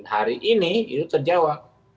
hari ini itu terjawab